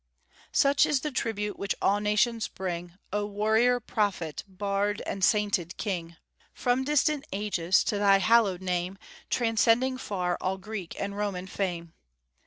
Such is the tribute which all nations bring, O warrior, prophet, bard, and sainted king, From distant ages to thy hallowed name, Transcending far all Greek and Roman fame!